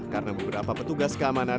karena beberapa petugas keamanan